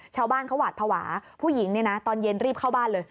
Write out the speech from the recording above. ชาวบ้านเขาหวาดภาวะผู้หญิงเนี่ยนะตอนเย็นรีบเข้าบ้านเลย